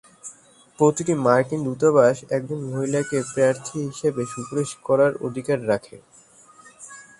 প্রতিটি মার্কিন দূতাবাস একজন মহিলাকে প্রার্থী হিসেবে সুপারিশ করার অধিকার রাখে।